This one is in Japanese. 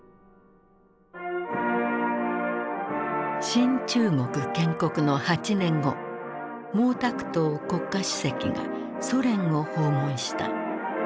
新中国建国の８年後毛沢東国家主席がソ連を訪問した。